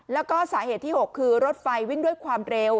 แล้วก็สาเหตุที่๖คือรถไฟวิ่งด้วยความเร็ว